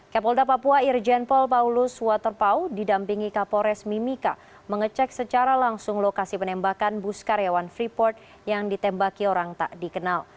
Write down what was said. kapolda papua irjen paul paulus waterpau didampingi kapolres mimika mengecek secara langsung lokasi penembakan bus karyawan freeport yang ditembaki orang tak dikenal